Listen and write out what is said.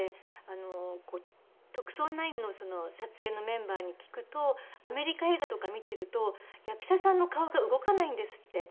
『特捜９』の撮影のメンバーに聞くとアメリカ映画とか見てると役者さんの顔が動かないんですって。